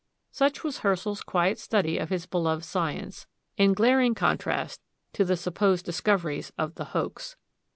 Such was Herschel's quiet study of his beloved science, in glaring contrast to the supposed discoveries of the "Hoax."